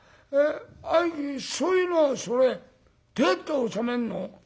兄貴そういうのそれどうやって収めんの？